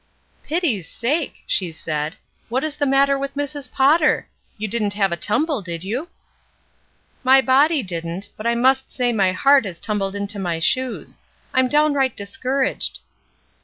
"Pity's sake!" she said, ''what is the matter with Mrs. Potter? You didn't have a tumble, did you?" "My body didn't; but I must say my heart has tumbled into my shoes. I'm downright discouraged."